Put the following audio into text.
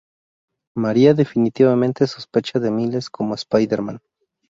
María definitivamente sospecha de Miles como Spider-Man.